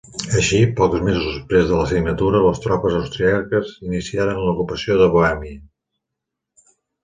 Així, pocs mesos després de la signatura, les tropes austríaques iniciaren l'ocupació de Bohèmia.